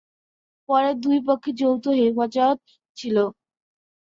পরে দুই পক্ষের যৌথ হেফাজত ছিল।